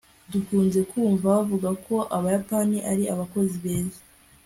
dukunze kumva bavuga ko abayapani ari abakozi beza